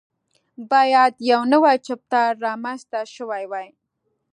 باید یو نوی چتر رامنځته شوی وای.